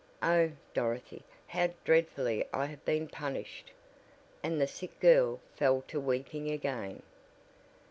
Oh, Dorothy, how dreadfully I have been punished!" and the sick girl fell to weeping again.